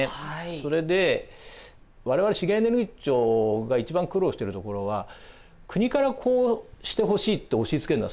それで我々資源エネルギー庁が一番苦労してるところは国からこうしてほしいと押しつけるのはすごくよくないんですね。